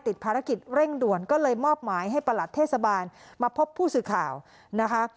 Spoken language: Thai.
ติดภารกิจเร่งด่วนก็เลยมอบหมายให้ประหลัดเทศบาลมาพบผู้สื่อข่าวนะคะ